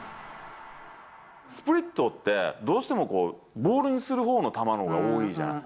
スプリットって、どうしてもボールにするほうの球のほうが多いじゃん。